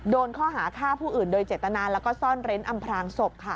โดนข้อหาฆ่าผู้อื่นโดยเจตนาแล้วก็ซ่อนเร้นอำพลางศพค่ะ